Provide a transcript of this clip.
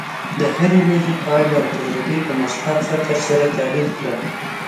د هرې ورځې پایله او تجربې په مثبت فکر سره تحلیل کړه.